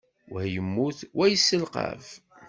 Wa yemmut, wa yesselqaf.